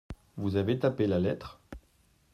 Vous avez tapé la lettre ?